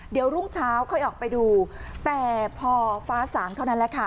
เดี๋ยวรุ่งเช้าค่อยออกไปดูแต่พอฟ้าสางเท่านั้นแหละค่ะ